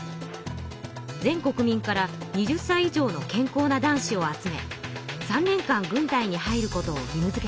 全国民から２０歳以上の健康な男子を集め３年間軍隊に入ることを義務づけたのです。